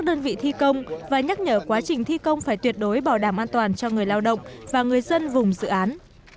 phó thủ tướng nhắc nhở quá trình thi công phải tuyệt đối bảo đảm an toàn cho người lao động và người dân vùng dự án